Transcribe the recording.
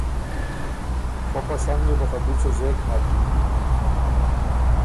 فۀ په سَۀ نيې بو خه بی څۀ زېک نک۔